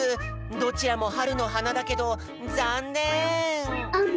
どちらもはるのはなだけどざんねん！